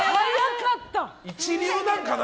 一流なんかな？